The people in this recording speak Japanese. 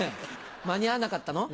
間に合わなかったの？